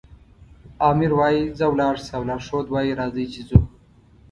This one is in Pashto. آمر وایي ځه ولاړ شه او لارښود وایي راځئ چې ځو.